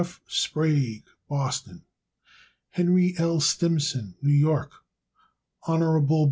F. Sprague, Boston, Mass. Henry L. Stimson, New York. Hon.